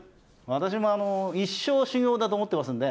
私も一生修業だと思ってますんで。